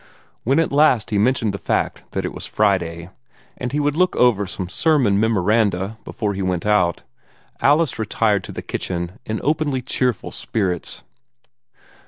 When at last he mentioned the fact that it was Friday, and he would look over some sermon memoranda before he went out, Alice retired to the kitchen in openly cheerful spirits.